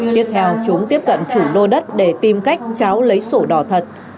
tiếp theo chúng tiếp cận chủ lô đất để tìm cách cháo lấy sổ đỏ thật